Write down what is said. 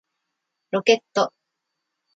ロケット